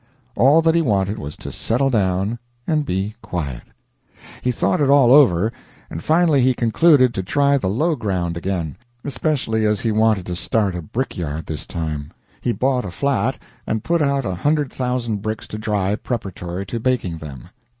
All that he wanted was to settle down and be quiet. He thought it all over, and finally he concluded to try the low ground again, especially as he wanted to start a brickyard this time. He bought a flat, and put out a hundred thousand bricks to dry preparatory to baking them.